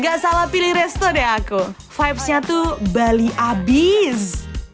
ga salah pilih restor deh aku vibesnya tuh bali abis